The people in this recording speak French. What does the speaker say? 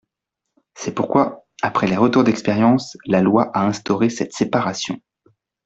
C’est pourquoi, après les retours d’expérience, la loi a instauré cette séparation.